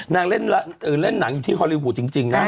นางเล่นหนังอยู่ที่ฮอลลีวูดจริงนะ